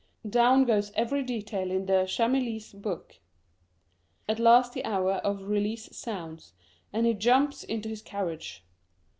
Down goes every detail in De Chamilly's book. At last the hour of release sounds, and he jumps into his carriage.